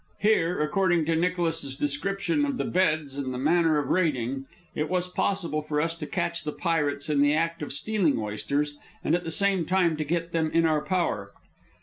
Here, according to Nicholas's description of the beds and the manner of raiding, it was possible for us to catch the pirates in the act of stealing oysters, and at the same time to get them in our power.